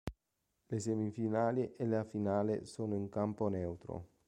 Le semifinali e la finale sono in campo neutro.